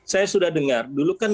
saya sudah dengar dulu kan